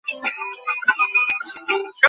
বনু কুরাইযার পরিণতি কি বড়ই দুর্ভাগ্যজনক হয়নি?